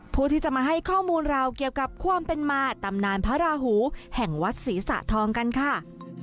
ผู้ที่จะมาให้ข้อมูลเราเกี่ยวกับความเป็นมาตำนานพระราหูแห่งวัดศรีสะทองกันค่ะ